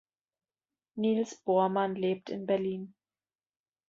Niels Bormann lebt in Berlin.